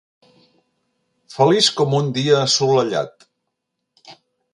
Feliç com un dia assolellat.